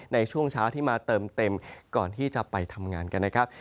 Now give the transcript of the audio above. ในช่วงเช้าที่มาเติมเต็มก่อนที่จะไปทำงานกันนะครับ